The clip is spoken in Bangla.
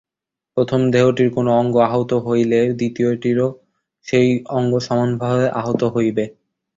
প্রথম দেহটির কোন অঙ্গ আহত হইলে দ্বিতীয়টিরও সেই অঙ্গ সমভাবে আহত হইবে।